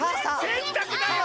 せんたくだよ！